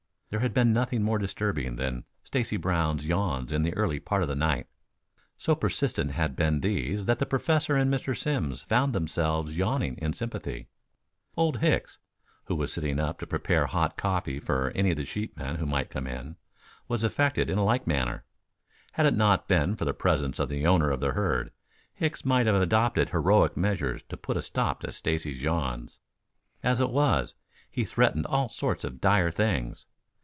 There had been nothing more disturbing than Stacy Brown's yawns in the early part of the night. So persistent had been these that the Professor and Mr. Simms found themselves yawning in sympathy. Old Hicks, who was sitting up to prepare hot coffee for any of the sheepmen who might come in, was affected in a like manner. Had it not been for the presence of the owner of the herd Hicks might have adopted heroic measures to put a stop to Stacy's yawns. As it was, he threatened all sorts of dire things.